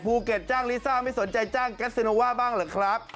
ภูเก็ตจ้างลิซ่าไม่สนใจจ้างแก๊สซิโนว่าบ้างเหรอครับ